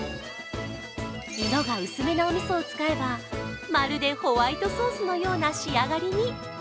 色が薄めのおみそを使えばまるでホワイトソースのような仕上がりに。